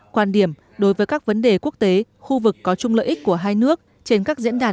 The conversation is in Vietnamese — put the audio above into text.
quan điểm đối với các vấn đề quốc tế khu vực có chung lợi ích của hai nước trên các diễn đàn